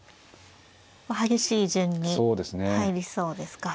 激しい順に入りそうですか。